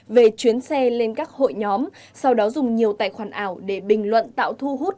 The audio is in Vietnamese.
về chuyến xe lên các hội nhóm sau đó dùng nhiều tài khoản ảo để bình luận tạo thu hút